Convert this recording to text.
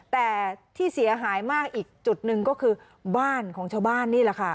แต่ที่เสียหายมากอีกจุดหนึ่งก็คือบ้านของชาวบ้านนี่แหละค่ะ